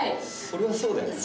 それはそうだよね。